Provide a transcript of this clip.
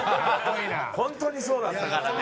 本当にそうだったからね。